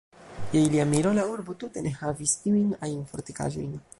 Je ilia miro, la urbo tute ne havis iujn ajn fortikaĵojn.